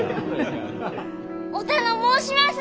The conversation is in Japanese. お頼申します！